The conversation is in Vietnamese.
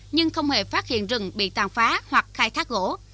nhưng không hề phát hiện rừng bị tàn phá hoặc khai thác gỗ